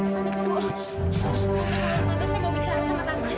tante tante tante saya mau bicara sama tante